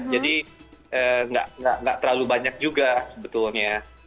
jadi nggak terlalu banyak juga sebetulnya